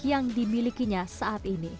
yang dimilikinya saat ini